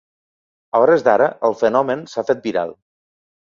A hores d’ara, el fenomen s’ha fet viral.